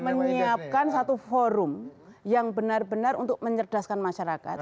menyiapkan satu forum yang benar benar untuk mencerdaskan masyarakat